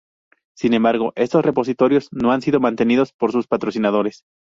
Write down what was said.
Sin embargo, estos repositorios no han sido mantenidos por sus patrocinadores.